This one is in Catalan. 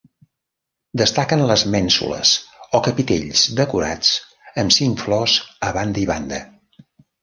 Destaquen les mènsules o capitells decorats amb cinc flors a banda i banda.